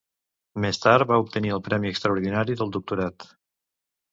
Més tard va obtenir el premi extraordinari del doctorat.